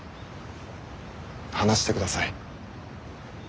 話してください。